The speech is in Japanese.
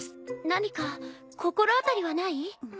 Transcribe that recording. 何か心当たりはない？